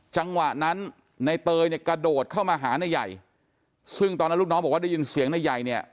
จังหวะนั้นในเตยเนี่ยกระโดดเข้ามาหานายใหญ่ซึ่งตอนนั้นลูกน้องบอกว่าได้ยินเสียงนายใหญ่เนี่ย